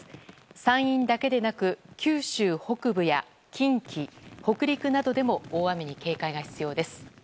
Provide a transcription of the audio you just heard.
山陰だけでなく九州北部や近畿北陸などでも大雨に警戒が必要です。